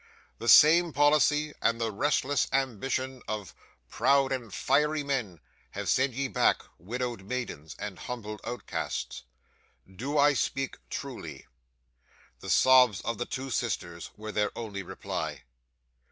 The same policy, and the restless ambition of proud and fiery men, have sent ye back, widowed maidens, and humbled outcasts. Do I speak truly?" 'The sobs of the two sisters were their only reply.